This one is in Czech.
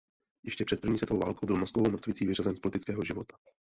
Ještě před první světovou válkou byl mozkovou mrtvicí vyřazen z politického života.